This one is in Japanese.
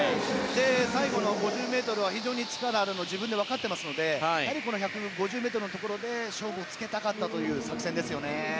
最後の５０ｍは非常に力があるのは自分でわかっていますのでやはり５０ｍのところで勝負をつけたかったという作戦ですよね。